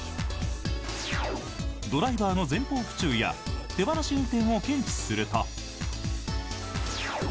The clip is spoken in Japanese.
ドライバーの前方不注意や手放し運転を検知すると。